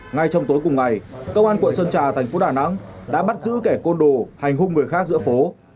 ngay trong tối cùng ngày công an quận sơn trà thành phố đà nẵng đã bắt giữ kẻ côn đồ hành hung người khác giữa phố